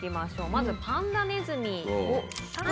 まずパンダネズミを。